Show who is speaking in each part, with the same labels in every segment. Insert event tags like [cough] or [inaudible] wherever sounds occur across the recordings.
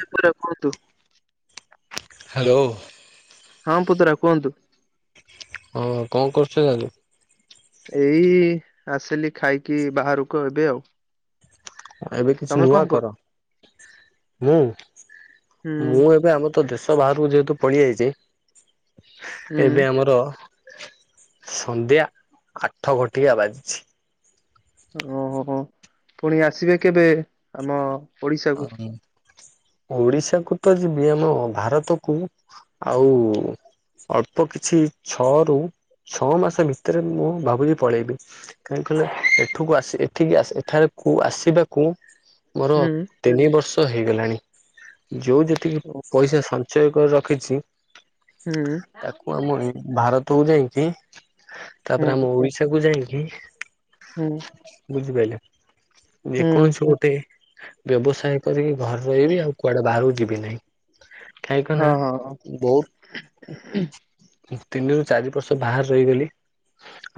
Speaker 1: [inaudible] କୁହନ୍ତୁ
Speaker 2: ହ୍ୟାଲୋ।
Speaker 1: ହଁ ପୁତୁରା କୁହନ୍ତୁ।
Speaker 2: ହଁ କଣ କରୁଛ ଦାଦୁ।
Speaker 1: ଏଇ ଆସିଲି ଖାଇକି ବାହାରକୁ ଏବେ ଆଉ।
Speaker 2: ଏବେ କିଛି
Speaker 1: ତମେ
Speaker 2: ନୂଆ
Speaker 1: କଣ କରୁ
Speaker 2: କର ମୁଁ
Speaker 1: ହୁଁ
Speaker 2: ମୁଁ ଏବେ ଆମ ତ ଦେଶ ବାହାରକୁ ଯେହେତୁ ପଳିଆଇଚି ଏବେ
Speaker 1: ହୁଁ
Speaker 2: ଆମର ସନ୍ଧ୍ୟା ଆଠ ଘଟିକା ବାଜିଛି।
Speaker 1: ଓହୋ ହୋ ପୁଣି ଆସିବେ କେବେ ଆମ ଓଡିଶାକୁ?
Speaker 2: ଓଡିଶା କୁ ତ ଯିବି ଆମ ଭାରତକୁ ଆଉ ଅଳ୍ପ କିଛି ଛଅ ରୁ ଛଅ ମାସ ଭିତରେ ମୁଁ ଭାବୁଛି ପଳେଇବି କାହିଁକି କହିଲ ଏଠକୁ ଆସି ଏଠିକି ଆସି ଏଠାରେ- କୁ ଆସିବାକୁ ମୋର
Speaker 1: ହୁଁ।
Speaker 2: ତିନି ବର୍ଷ ହେଇଗଲାଣି ଯେଉଁ ଯେତିକି
Speaker 1: ଓ
Speaker 2: ପଇସା ସଞ୍ଚୟ କରି ରଖିଛି
Speaker 1: ହୁଁ
Speaker 2: ତାକୁ ଆମର ଭାରତ। କୁୁ ଯାଇକି ତାପରେ
Speaker 1: ହୁଁ
Speaker 2: ଆମ ଓଡିଶା କୁ ଯାଇକି
Speaker 1: ହୁଁ
Speaker 2: ବୁଝିପାଇଲି।
Speaker 1: ହୁଁ
Speaker 2: ଯେକୌଣସି ଗୋଟେ ବ୍ୟବସାୟ କରିକି ଘରେ ରହିବି ଆଉ କୁଆଡେ ବାହାରକୁ ଯିବି ନାହିଁ କାଇହିଁକନା
Speaker 1: ହଁ ହଁ
Speaker 2: ବହୁତ ତିନିରୁ ଚାରି ବର୍ଷ ବାହାରେ ରହିଗଲି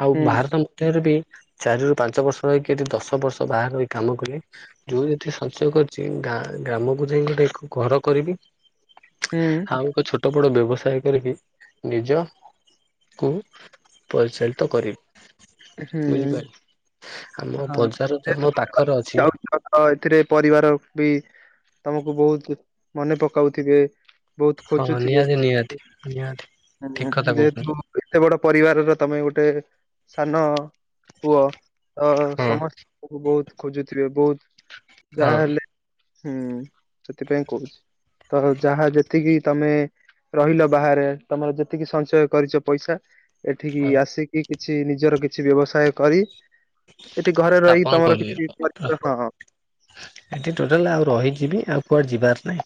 Speaker 2: ଆଉ
Speaker 1: ହୁଁ
Speaker 2: ବାହାର ମଧ୍ୟରେ ବି। ଚାରିରୁ ପାଞ୍ଚ ବର୍ଷ ରହିକି ଏଠି ଦଶ ବର୍ଷ ବାହାରେ ରହିକି କାମ କଲି ଯୋଉ ଠି ସଞ୍ଚୟ କରିଛି ଗାଁ ଗ୍ରାମକୁ ଯାଇ ଗୋଟେ ଘର କରିବି।
Speaker 1: ହୁଁ
Speaker 2: ଆଉ ଏକ ଛୋଟ ବଡ଼ ବ୍ୟବସାୟ କରିକି ନିଜକୁ ପରିଚାଳିତ କରିବି।
Speaker 1: ହୁଁ।
Speaker 2: ବୁଝିପାରିଲେ ଆମ
Speaker 1: ହଁ
Speaker 2: ବଜାର ତ ଆମ
Speaker 1: [unintelligible]
Speaker 2: ପାଖରେ ଅଛି
Speaker 1: ଏଥିରେ। ପରିବାର ବି ତମକୁ ବହୁତ୍ ମନେ ପକାଉଥିବେ। ବହୁତ
Speaker 2: ହଁ
Speaker 1: ଖୋଜୁଥିବେ।
Speaker 2: ନିହାତି ନିହାତି ନିହାତି ଠିକ କଥା
Speaker 1: ହୁଁ
Speaker 2: କହୁଛନ୍ତି
Speaker 1: ଯେହେତୁ ଏତେ ବଡ ପରିବାରର ତମେ ଗୋଟେ ସାନ ପୁଅ ଅ
Speaker 2: ହଁ
Speaker 1: ସମସ୍ତ ବହୁତ୍ ଖୋଜୁଥିବେ?
Speaker 2: ହଁ।
Speaker 1: ଯାହାହଲେ ହୁଁ ସେଥିପାଇଁ କହୁଛି। ତ ଯାହା ଯେତିକି ତମେ ରହିଲ ବାହାରେ ତମର ଯେତିକି ସଞ୍ଚୟ କରିଚ ପଇସା ଏଠିକି
Speaker 2: ହଁ
Speaker 1: ଆସିକି କିଛି ନିଜର କିଛି ବ୍ୟବସାୟ କରି ଏଠି ଘରେ
Speaker 2: ସ୍ଥାପନ
Speaker 1: ରହିକି ତମର
Speaker 2: କରିବ।
Speaker 1: କିଛି [unintelligible] ହଁ।
Speaker 2: ଏଠି ଟୋଟାଲ୍ ଆଉ ରହିକିବି ଆଉ କୁଆଡେ ଯିବାର ନାହିଁ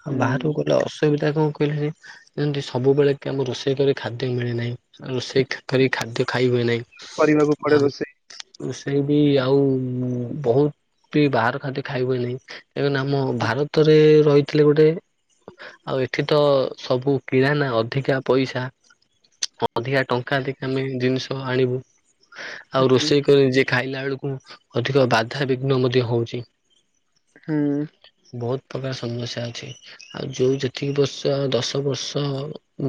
Speaker 2: ଆଉ
Speaker 1: ହୁଁ
Speaker 2: ବାହାରକୁ ତ ଅସୁବିଧା କଣ କହିଲେ ଯେମତି ସବୁବେଳେ କି ଆମକୁ ରୋଷେଇ କରି ଖାଦ୍ୟ ମିଳେନାହିଁ ରୋଷେଇ କରି ଖାଦ୍ୟ ଖାଇ ହୁଏ ନାହିଁ।
Speaker 1: କରିବାକୁ ପଡେ
Speaker 2: ଆଉ
Speaker 1: ରୋଷେଇ।
Speaker 2: ରୋଷେଇ ବି ଆଉ ବହୁତ ବି ବାହାର ଖାନ୍ତି ଖାଇହୁଏ ନାହିଁ। ଏବଂ ଆମ ଭାରତରେ ରହି ଥିଲେ ଗୋଟେ ଆଉ ଏଠି ତ ସବୁ କିରାାନ ଅଧିକା ପଇସା। ଅଧିକା ଟଙ୍କା ଦେଇକି ଆମେ ଜିନିଷ ଆଣିବୁ ଆଉ ରୋଷେଇ କରି ନିଜେ ଖାଇଲା ବେଳକୁ ଅଧିକ ବାଧାବିଘ୍ନ ମଧ୍ୟ ହଉଛି।
Speaker 1: ହୁଁ।
Speaker 2: ବହୁତ ପ୍ରକାର ସମସ୍ୟା ଅଛି ଆଉ ଯୋଉ ଯେତିକି ବର୍ଷ ଦଶ ବର୍ଷ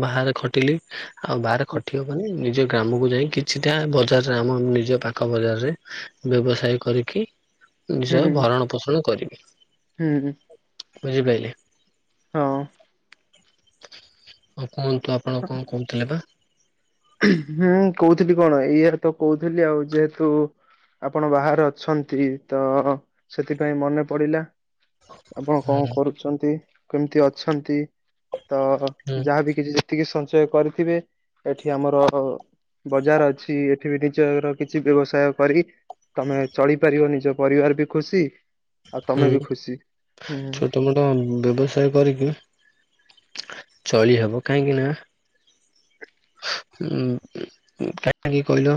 Speaker 2: ବାହାରେ ଖ ଆଉ ବାହ ଖଟିବ ମାନ ନିଜ ଗ୍ରାମକୁ ଯାଇ କିଛିଟା ବଜାରରେ ଆମ ନିଜ ପାଖ ପାଙ୍କ ବଜାରରେ ବ୍ୟବସାୟ କରିକି
Speaker 1: ହୁଁ
Speaker 2: ନିଜ
Speaker 1: ହୁଁ
Speaker 2: ଭରଣ ପୋଷଣ କରିବି।
Speaker 1: ହୁଁ,
Speaker 2: ବୁଝିପାଇଲେ?
Speaker 1: ହଁ।
Speaker 2: ଆଉ କୁହନ୍ତୁ ଆପଣ କଣ କହୁଥିଲେ ପା?
Speaker 1: ହୁଁ କହୁଥିଲି କଣ ଇଏ ତ କହୁଥିଲି ଆଉ ଯେହେତୁ ଆପଣ ବାହାରେ ଅଛନ୍ତି ତ ସେଥିପାଇଁ ମନେ ପଡିଲା। ଆପଣ କଣ
Speaker 2: ହୁଁ
Speaker 1: କରୁଛନ୍ତି କେମିତି ଅଛନ୍ତି? ତ
Speaker 2: ହୁଁ
Speaker 1: ଯାହାବି କିଛି ଯେତିକି ସଞ୍ଚୟ କରିଥିବେ ଏଠି ଆମର ବଜାର ଅଛି ଏଠି ବି ନିଜର କିଛି ବ୍ୟବସାୟ କରି। ତମେ ଚଳିପାରିବ ନିଜ ପରିବାର ବି ଖୁସି ଆଉ
Speaker 2: ହୁଁ
Speaker 1: ତମେ ବି ଖୁସି ହୁଁ
Speaker 2: ଛୋଟ ମୋଟ ବ୍ୟବସାୟ କରିକି ଚଳିହବ କାହିଁକି ନା ହ କାହିଁକି କହିଲ?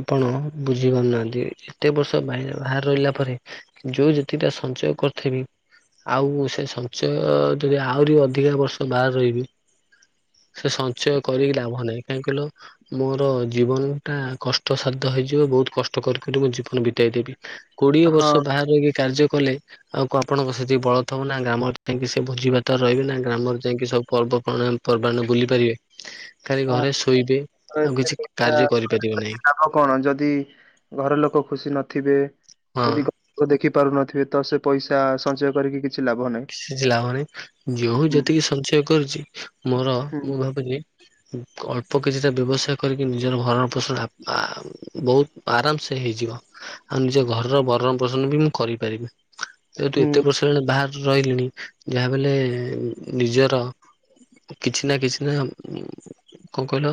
Speaker 2: ଆପଣ ବୁଝିପାରୁନାହାନ୍ତି ଏତେ ବର୍ଷ ବାହାର ରହିଲା ପରେ। ଯୋଉ ଯେତିକିଟ ସଞ୍ଚୟ କରିଥିବି। ଆଉ ସେ ସଞ୍ଚୟ ଯଦି ଆହୁରି ଅଧିକା ବର୍ଷ ବାହାର ରହିବି। ସେ ସଞ୍ଚୟ କରିକି ଲାଭ ନାହିଁ କାହିଁକି କହିଲ ମୋର ଜୀବନ ଟା କଷ୍ଟସାଧ୍ୟ। ହେଇଯିବ ବହୁତ କଷ୍ଟ କରି କରି ମୁଁ ଜୀବନ ବିତେଇ ଦେବି କୋଡିଏ ବର୍ଷ
Speaker 1: ହଁ
Speaker 2: ବାହାରେ କାର୍ଯ୍ୟ କଲେ ଆଉ ଆପଣଙ୍କ ସେତିକି ବଳ ଥିବ ନା ଗ୍ରାମର ଯାଇି ସେ ଭୋଜି ଭାତାର ରହିବେ ନା ଗ୍ରାମ ଯ ଯି ସବୁ ପର୍ବ ପର୍ବାଣ ବୁଲି ପାରିବେ? ଖାଲି
Speaker 1: ହଁ
Speaker 2: ଘରେ ଶୋଇବେ ଆଉ କିଛି କାର୍ଯ୍ୟ କରିପାରିବେ ନାହିଁ।
Speaker 1: ଆଉ କଣ ଯଦି ଘର ଲୋକ ଖୁସି ନଥିବେ।
Speaker 2: ହଁ
Speaker 1: ଯଦି ଗ ଦେଖି ପାରୁନଥିବେ ତ ସେ ପଇସା ସଞ୍ଚୟ କରିକି କିଛି ଲାଭ ନାହିଁ।
Speaker 2: କିଛି ଲାଭ ନାହିଁ ଯୋଉ
Speaker 1: ହୁଁ
Speaker 2: ଯେତିକି ସଞ୍ଚୟ କରୁଛି ମୋର
Speaker 1: ହୁଁ
Speaker 2: ମୁଁ ଭାବୁଛି ଅଳ୍ପ କିଛିଟା ବ୍ୟବସାୟ କରିକି ନିଜର ଘରର ଫସଲ ଆ-ଆ-ଆ ବହୁତ ଆରାମସେ ହେଇଯି ବ ଆଉ ନିଜ ଘରର ବରଣ ପୋଷଣ ବି ମୁଁ କରିପାରିବି। ଯେହେତୁ
Speaker 1: ହୁଁ
Speaker 2: ଏତେ ବର୍ଷ ହେଲାଣି ବାହା ରହିଲିଣି ଯାହା ବଲେ-ଏ-ଏ-ଏ ନିଜର କିଛି ନା କିଛି ନା ଉ-ଉ କଣ କହିଲ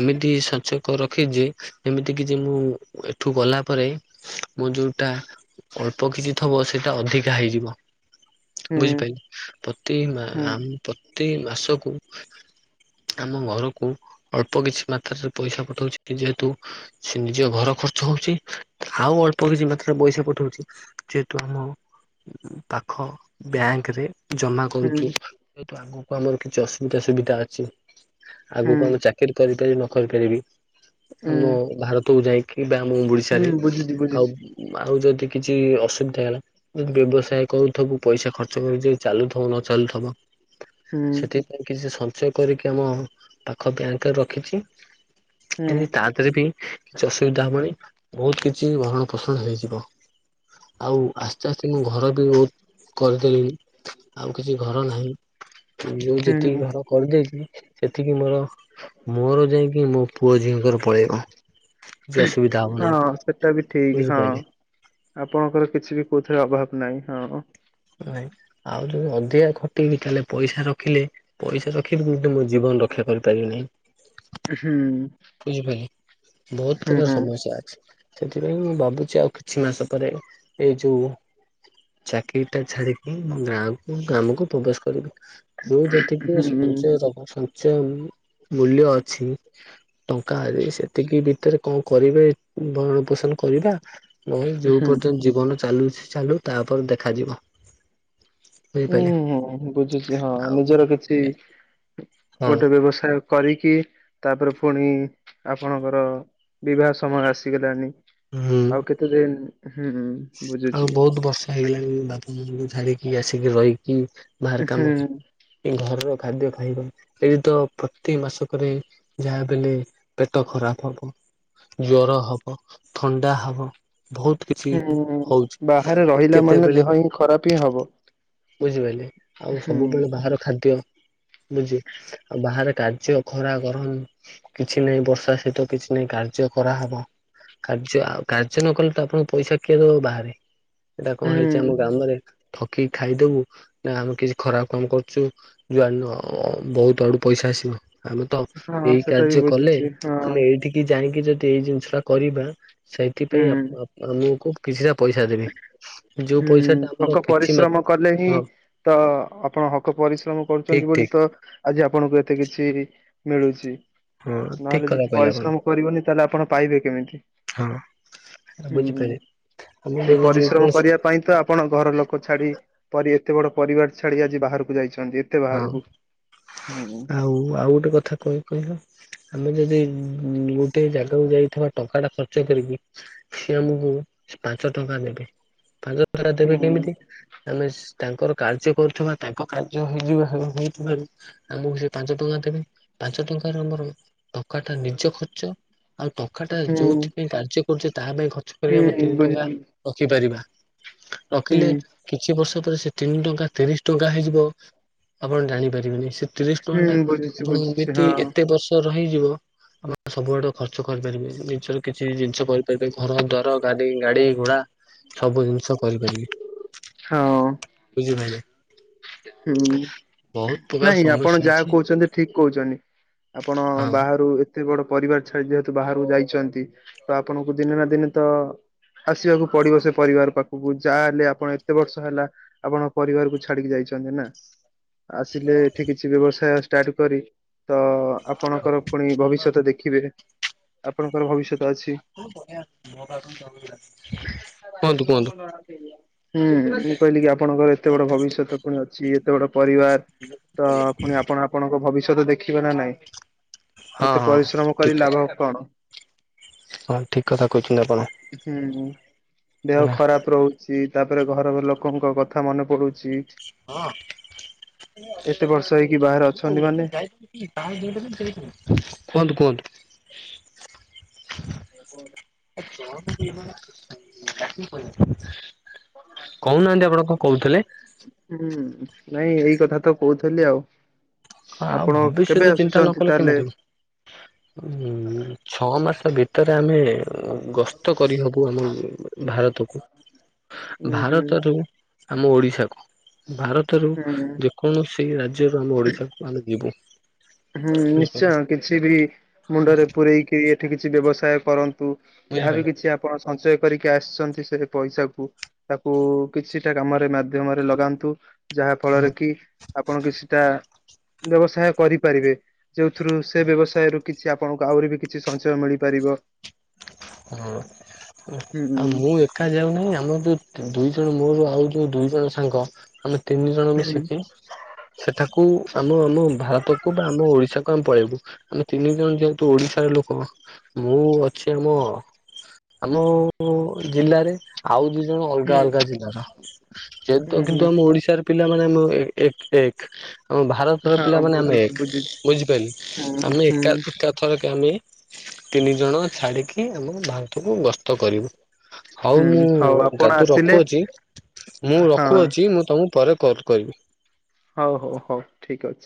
Speaker 2: ଏମିତି ସଞ୍ଚକ ରଖିଛି ଯେମିତି କି ଯେ ମୁଁ ଏଠୁ ଗଲା ପରେ ରେ ମୁଁ ଯୋଉଟା ଅଳ୍ପ କିଛି ଥବ ସେଇଟା ଅଧିକା ହେଇଯିବ।
Speaker 1: ହୁଁ
Speaker 2: ବୁଝିପାରିଲେ, ପ୍ରତି ମା
Speaker 1: ହୁଁ
Speaker 2: ଆମ ପ୍ରତି ମାସକୁ ଆମ ଘରକୁ ଅଳ୍ପ କିଛି ମାତ୍ରାରେ ପଇସା ପଠଉଛି ଯେହେତୁ ସେ ନିଜ ଘର ଖର୍ଚ୍ଚ ହଉଛି ଆଉ ଅଳ୍ପ କିଛି ମାତ୍ରାରେ ପଇସା ପଠଉଛି ଯେହେତୁ ଆମ ଉ-ଉ ପାଖ ବ୍ୟାଙ୍କରେ ଜମା
Speaker 1: ହୁଁ
Speaker 2: କରୁଛି। ଯେହେତୁ ଆଗକୁ ଆମର କିଛି ଅସୁବିଧା ସୁବିଧା ଅଛି।
Speaker 1: ହୁଁ
Speaker 2: ଆଗକୁ ଆମ ଚାକିରୀ କରିପାରିବି ନ କରିପାରିବି
Speaker 1: ହୁଁ
Speaker 2: ଆମ ଭାରତକୁ ଯାଇକି ବା ଆମ
Speaker 1: ହୁଁ
Speaker 2: ଓଡିଶାରେ
Speaker 1: ବୁଝୁଛି
Speaker 2: ଆଉ
Speaker 1: ବୁଝୁଛି।
Speaker 2: ଆଉ ଯଦି କିଛି ଅସୁବିଧା ହେଲା ଯ ବ୍ୟବସାୟ କରୁଥିବୁ ପଇସା ଖର୍ଚ୍ଚ କରି ଯେ ଚାଲୁଥିବ ନ ଚାଲୁଥିବ
Speaker 1: ହୁଁ
Speaker 2: ସେଥିପାଇ କିଛି ସଂଚ ୟ କରିକି ଆମ ପାଖ ବ୍ୟାଙ୍କରେ ରଖିଛି।
Speaker 1: ହୁଁ
Speaker 2: ତା ଦେହରେ ବି କିଛି ଅସୁବିଧା ହବଣି ବହୁତ କିଛି ଭରଣ ପୋଷଣ ହେଇଯିବ। ଆଉ ଆସ୍ତେ ଆସ୍ତେ ମୁଁ ଘର ବି କରିଦେଲିଣି ଆଉ କିଛି ଘର ନାହିଁ। ମୁଁ ଯେତିକି
Speaker 1: ହୁଁ
Speaker 2: ଘର କରିଦେଇଛି ସେତିକି ମୋର ମୋର ଯାଇକି ମୋ ପୁଅ ଝିଅଙ୍କର ପଳେଇବ। କିଛି ଅସୁବିଧା ହବ
Speaker 1: ହଁ
Speaker 2: ନାହିଁ
Speaker 1: ସେଟା ବି ଠିକ ହଁ।
Speaker 2: ବୁଝିପାରିଲେ
Speaker 1: ଆପଣଙ୍କର କିଛି ବି କୋଉଥିରେ ଅଭାବ ନାହିଁ ହଁ।
Speaker 2: ନାଇଁ ଆଉ ଯଦି ଅଧିକା ଖଟିବି ତାହେଲେ ପଇସା ରଖିଲେ ପଇସା ରଖି ମ ମୋ ଜୀବନ ରକ୍ଷା କରିପାରିବି ନାହି।
Speaker 1: ହୁଁ।
Speaker 2: ବୁଝିପାରିଲି ବହୁତ
Speaker 1: ହୁଁ
Speaker 2: ପ୍ରକାର
Speaker 1: ହୁଁ
Speaker 2: ସମସ୍ୟା ଅଛି। ସେଥିପାଇଁ ମୁଁ ଭାବୁଛି ଆଉ କିଛି ମାସ ପରେ ଏଇ ଯୋଉ ଚାକିର ଟା ଛାଡିକି ଗାଁକୁ ଗ୍ରାମକୁ ପ୍ରବେଶ କରିବି। ଯିଏ ଯେତିକି
Speaker 1: ହୁଁ।
Speaker 2: ସଞ୍ଚୟ ଦବ ସଞ୍ଚୟ ଉ-ଉ-ମ୍-ମ୍ ମୂଲ୍ୟ ଅଛି। ଟଙ୍କାରେ ସେତିକି ଭିତରେ କଣ କରିବେ ଭରଣ ପୋଷଣ କରିବା। ନହେଲେ ଯୋଉ
Speaker 1: ହୁଁ
Speaker 2: ପର୍ଯ୍ୟନ୍ତ ଜୀବନ ଚାଲୁଛି ଚାଲୁ ତାପରେ ଦେଖାଯିବ।
Speaker 1: ହୁଁ
Speaker 2: ବୁଝିପାରିଲେ।
Speaker 1: ହୁଁ ବୁଝୁଛି ହଁ
Speaker 2: ଆଉ
Speaker 1: ନିଜର କିଛି
Speaker 2: ହଁ
Speaker 1: ଗୋଟେ ବ୍ୟବସାୟ କରି କି ତାପରେ ପୁଣି ଆପଣଙ୍କର ବିବାହ ସମୟ ଆସିଗଲାଣି।
Speaker 2: ହୁଁ
Speaker 1: ଆଉ କେତେ ଦିନ ହୁଁ
Speaker 2: ଆଉ
Speaker 1: ବୁଝୁଛି
Speaker 2: ବହୁତ ବର୍ଷ ହେଇଗଲାଣି ବାପା ମାଙ୍କୁ ଛାଡିକି ଆସିକି ରହିି କି ବାହାର କାମ,
Speaker 1: ହୁଁ
Speaker 2: ଇ ଘରର ଖାଦ୍ୟ ହୁଁ ଏଇ ତ ପ୍ରତି ମାସକରେ ଯାହାବି ହେଲେ ପେଟ ଖରାପ ହବ। ଜ୍ୱର ହବ, ଥଣ୍ଡା ହବ ବହୁତ କିଛି
Speaker 1: ହୁଁ
Speaker 2: ହଉଛି
Speaker 1: ବାହାରେ ରହିଲା ମାନେ
Speaker 2: କେତେବେଳେ
Speaker 1: ଦେହ ହିଁ ଖରାପ ହିଁ ହବ।
Speaker 2: ବୁଝିପାରିଲେ ଆଉ
Speaker 1: ହୁଁ
Speaker 2: ସବୁବେଳେ ବାହାର ଖାଦ୍ୟ ବୁଝ ଆଉ ବାହାରେ କାର୍ଯ୍ୟ ଖରା, ଗରମ କିଛି ନାହିଁ ବର୍ଷା, ଶୀତ କିଛି ନାହିଁ କାର୍ଯ୍ୟ କରା ହବ। କାର୍ଯ୍ୟ ଅ କାର୍ଯ୍ୟ ନ କଲେ ତ ଆପଣଙ୍କୁ ପଇସା କିଏ ଦେବ ବାହାରେ। ଏଇଟା କଣ
Speaker 1: ହୁଁ
Speaker 2: ହେଇଛି ଆମ ଗ୍ରାମରେ ଠକି ଖାଇଦବୁ ନା ଆମେ କିଛି ଖରାପ କାମ କରୁଛୁ ଯାଆ-ଅ-ଅ-ଅ ନ ବହୁତ ଆଡୁ ପଇସା ଆସିବ। ଆମେ ତ
Speaker 1: ହଁ
Speaker 2: ଏଇ
Speaker 1: ସେଟା ବି
Speaker 2: କାର୍ଯ୍ୟ କଲେ
Speaker 1: ବୁଝୁଛି ହଁ
Speaker 2: ଆମେ ଏଇଠିକି ଜାଣିକି ଯଦି ଏଇ ଜିନିଷ ଟା କରିବା ସେଇଥିପାଇଁ
Speaker 1: ହୁଁ
Speaker 2: ଆପ୍-ଆପ୍ ଆମକୁ କିଛିଟା ପଇସା ଦେବେ ଯଉ ପଇସା
Speaker 1: ହୁଁ
Speaker 2: ଟା
Speaker 1: ହକ
Speaker 2: ଆମର କିଛି ମା
Speaker 1: ପରିଶ୍ରମ କଲେ ହିଁ ତ ଆପଣ ହକ ପରିଶ୍ରମ
Speaker 2: ଠିକ
Speaker 1: କରୁଛନ୍ତି ବୋଲି
Speaker 2: ଠିକ
Speaker 1: ତ ଆଜି ଆପଣଙ୍କୁ ଏତେ କିଛି ମିଳୁଛି।
Speaker 2: ହଁ ଠିକ
Speaker 1: ନହେଲେ
Speaker 2: କଥା
Speaker 1: ଯଦି
Speaker 2: କହିଲେ ଆପଣ
Speaker 1: ପରିଶ୍ରମ କରିବନି ତାହେଲେ ଆପଣ ପାଇବେ କେମିତି? ହୁଁ
Speaker 2: ବୁଝିପାଇଲି।
Speaker 1: ସେଇ ପରିଶ୍ରମ କରିବା ପାଇଁ ତ ଆପଣ ଘର ଲୋକ ଛାଡି ପ ରି ଏତେ ବଡ ପରିବାର ଛାଡି ଆଜି ବାହାରକୁ ଯାଇ
Speaker 2: ହଁ ଆଉ ଆଉ ଗୋଟେ କଥା କଣ କହିଲ ଆମେ ଯଦି ଗୋଟେ ଜାଗାକୁ ଯାଇଥିବା ଟଙ୍କା ଟା ଖର୍ଚ୍ଚ କରିକି ସେ ଆମକୁ ପାଞ୍ଚ ଟଙ୍କା ନେଭି ପାଞ୍ଚ ଟଙ୍କା ଦେବେ
Speaker 1: ହୁଁ
Speaker 2: କେମିତି ଆମେ ତାଙ୍କର କାର୍ଯ୍ୟ କରୁଥିବା ତାଙ୍କ କାର୍ଯ୍ୟ ଆମେ ଯଉ ବାହାରୁ ଯାଇଥିବାରୁ ଆମକୁ ସେ ପାଞ୍ଚ ଟଙ୍କା ଦେବେ ପାଞ୍ଚ ଟଙ୍କାର ବରଂ ଟଙ୍କା ଟା ନିଜ ଖର୍ଚ୍ଚ ଆଉ ଟଙ୍କା ଟା
Speaker 1: ହୁଁ
Speaker 2: ଯୋଉଥିପାଇଁ କାର୍ଯ୍ୟ କରୁଛେ ତାହା ପାଇଁ ଖର୍ଚ୍ଚ କରିବା ଆମ
Speaker 1: ହୁଁ
Speaker 2: ତିନି ଟଙ୍କା
Speaker 1: ବୁଝୁଛି
Speaker 2: ରଖିପାରିବା।
Speaker 1: ହୁଁ
Speaker 2: ରଖିଲେ କିଛି ବର୍ଷ ପରେ ସେ ତିନି ଟଙ୍କା ତିରିଶ ଟଙ୍କା ହେଇଯିବ‌। ଆପଣ ଜାଣିପାରିବେନି ସେ ତିରିଶ ଟଙ୍କା ଟା
Speaker 1: ହୁଁ ବୁଝୁଛି
Speaker 2: ଆପଣଙ୍କୁ
Speaker 1: ବୁଝୁଛି
Speaker 2: ଏଠି
Speaker 1: ହଁ
Speaker 2: ଏତେ ବର୍ଷ ରହିଯିବ। ଆମ ସବୁଆଡୁ ଖର୍ଚ୍ଚ କରିପାରିବେ ନିଜର କିଛି ଜିନିଷ କରିପାରିବେ ଘର ଦ୍ୱାର ଗାଡି ଗାଡ଼ି ଘୋଡା। ସବୁ ଜିନିଷ କରିପାରିଲି
Speaker 1: ହଁ
Speaker 2: ବୁଝିପାଇଲେ।
Speaker 1: ହୁଁ।
Speaker 2: ପ୍ରକାର
Speaker 1: ନାଇଁ ଆପଣ
Speaker 2: ସମସ୍ୟା
Speaker 1: ଯାହା
Speaker 2: ଅଛି
Speaker 1: କହୁଛନ୍ତି ଠିକ କହୁଛନ୍ତି ଆପଣ
Speaker 2: ହଁ
Speaker 1: ବାହାରୁ ଏ ଏତେ ବଡ ପରିବାର ଛାଡି ଯେହେତୁ ବାହାରକୁ ଯାଇଛନ୍ତି ତ ଆପଣଙ୍କୁ ଦିନେ ନା ଦିନେ ତ ଆସିବାକୁ ପଡିବ ସେ ପରିବାର ପାଖକୁ ଯାହା ହେଲେ ଆପଣ ଏତେ ବର୍ଷ ହେଲା ଆପଣ ପରିବାରକୁ ଛାଡିକି ଯାଇ ନା ଆସିଲେ ଏଠି କିଛି ବ୍ୟବସାୟ ଷ୍ଟାର୍ଟ କରି ତଅ ଆପଣଙ୍କର ପୁଣି ଭବିଷ୍ୟତ ଦେଖିବେ ଆପଣଙ୍କର ଭବିଷ୍ୟତ ଅଛି।
Speaker 2: କୁହନ୍ତୁ କୁହନ୍ତୁ
Speaker 1: ହୁଁ ବୁଛିପା ଯିଏ କି ଆପଣଙ୍କର ଏତେ ବଡ ଭବିଷ୍ୟତ ପୁଣି ଅଛି ଏତେ ବଡ ପରିବାର ତ ପୁଣି ଆପଣ ଆପଣଙ୍କ ଭବିଷ୍ୟତ ଦେଖିବେ ନା ନାଇଁ।
Speaker 2: ହଁ
Speaker 1: ଏତେ
Speaker 2: ହଁ
Speaker 1: ପରିଶ୍ରମ କରି
Speaker 2: ଠିକ୍ କଥା
Speaker 1: ଲାଭ କଣ?
Speaker 2: ହଁ ଠିକ୍ କଥା କହିଛନ୍ତି ଆପଣ
Speaker 1: ହୁଁ ଦେହ
Speaker 2: ହେଲା।
Speaker 1: ଖରାପ ରହୁଛି ତାପ ରେ ଘର ଲୋକଙ୍କ କଥା ମନେ ପଡୁଛି।
Speaker 2: ହଁ।
Speaker 1: ଏତେ ବର୍ଷ ହେଇକି ବାହାରେ ଅଛନ୍ତି ମାନେ
Speaker 2: କୁହନ୍ତୁ କୁହନ୍ତୁ।
Speaker 1: କେବଳ
Speaker 2: କହୁନାହାନ୍ତି ଆପଣଙ୍କ କହୁଥିଲେ।
Speaker 1: ହୁଁ ନାଇଁ ଏଇ କଥା ତ କହୁଥିଲି ଆଉ।
Speaker 2: ହ ଆଉ
Speaker 1: ଆପଣ କେବେ
Speaker 2: ଭବିଷ୍ୟତ ଚିନ୍ତା ନ
Speaker 1: ଆସୁଛନ୍ତି
Speaker 2: କଲେ
Speaker 1: ତାହେଲେ?
Speaker 2: କେମିତି ହବ। ହୁଁ ଛଅ ମାସ ତା ଭିତ [unintelligible] ଆମେ ଗସ୍ତ କରିହବୁ ଆମ ଭାରତକୁ।
Speaker 1: ହୁଁ ହୁଁ
Speaker 2: ଭାରତରୁ ଆମ ଓଡିଶାକୁ। ଭାରତରୁ
Speaker 1: ହୁଁ।
Speaker 2: ଯେକୌଣସି ରାଜ୍ୟରୁ ଆମ ଓଡିଶାକୁ ଆମେ ଯିବୁ।
Speaker 1: ହୁଁ
Speaker 2: ବୁଝିପାରିଲେ
Speaker 1: ନିଶ୍ଚୟ କିଛି ବି ମୁଣ୍ଡରେ ପୂରେଇକି ଏଠି କିଛି ବ୍ୟବସାୟ କରନ୍ ତୁ ଯାହା ବିି
Speaker 2: ବୁଝିପାରିଲେ
Speaker 1: କିଛି ଆପଣ ସଞ୍ଚୟ କରିକି ଆସନ୍ତି ସେ ଭି ପଇସାକୁ ତାକୁ କିଛିଟା କାମରେ ମାଧ୍ୟମରେ ଲଗାନ୍ତୁ। ଯାହା ଫଳରେ କି ଆପଣ କିଛିଟା ବ୍ୟବସାୟ କରିପାରିବେ। ଯୋଉଥିରୁ ସେ ବ୍ୟବସାୟରୁ କିଛି ଆପଣଙ୍କୁ ଆହୁରି ବି କିଛି ସଞ୍ଚୟ ମିଳିପାରିବ।
Speaker 2: [unintelligible] ହୁଁ
Speaker 1: ହୁଁ
Speaker 2: ଆଉ ମୁଁ ଏକା ଯାଉନାହିଁ ଆମର ଦୁଇ ଦୁଇ ଜଣ ମୋର ଆଉ ଯୋଉ ଦୁଇ ଜଣ ସାଙ୍ଗ ଆମେ ତିନି ଜଣ
Speaker 1: ହୁଁ
Speaker 2: ମିଶିକି ସେଠା କୁ ଆମ ଆମ ଭାରତକୁ ବା ଆମ ଓଡିଶାକୁ ଆମେ ପଳେଇବୁ ଆମେ ତିନି ଜଣ ଯେହେତୁ ଓଡିଶାର ଲୋକ। ମୁଁ ଅଛି ଆମ ଆମ ଜିଲ୍ଲାରେ। ଆଉ ଦି ଜଣ ଅଲଗା
Speaker 1: ହୁଁ
Speaker 2: ଅଲଗା ଜିଲ୍ଲାର ଯେହେତୁ
Speaker 1: ହୁଁ
Speaker 2: କିନ୍ତୁ
Speaker 1: ହୁଁ
Speaker 2: ଆମ ଓଡିଶାର ପିଲାମାନେ ନୋଏ ଏକ ଏକ। ଆମ ଭାରତର
Speaker 1: ହଁ
Speaker 2: ପିଲାମାନେ ଆମେ
Speaker 1: ବୁଝୁଛି
Speaker 2: ଏକ
Speaker 1: ବୁଝୁଛି।
Speaker 2: ବୁଝିପାଇଲୁ
Speaker 1: ହୁଁ
Speaker 2: ଆମେ
Speaker 1: ହୁଁ
Speaker 2: ଏକା ଏକା ଥରକେ ଆମେ ତିନି ଜଣ ଛାଡିକି ଆମେ ଭାରତକୁ ଗସ୍ତ କରିବୁ। ହଉ
Speaker 1: ହୁଁ
Speaker 2: ମୁଁ
Speaker 1: ହଉ ଆପଣ
Speaker 2: ଦାଦୁ
Speaker 1: ଆସିଲେ
Speaker 2: ରଖୁଅଛି ମୁଁ
Speaker 1: ହଁ
Speaker 2: ରଖୁଅଛି ମୁଁ ତମକୁ ପରେ କଲ୍ କରିବି।
Speaker 1: ହଉ ହଉ ହଉ ଠିକ ଅଛି।